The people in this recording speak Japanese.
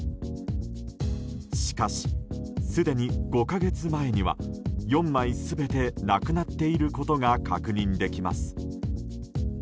しかし、すでに５か月前には４枚全てなくなっていることが確認できます。